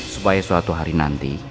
supaya suatu hari nanti